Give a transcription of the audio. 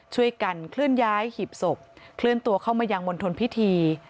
ช่วยกันเคลื่อนย้ายหีบศพเคลื่อนตัวเข้ามายังมณฑลพิธี